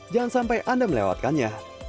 jangan sampai anda melewatkannya